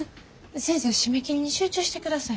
先生は締め切りに集中してください。